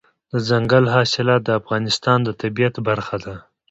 دځنګل حاصلات د افغانستان د طبیعت برخه ده.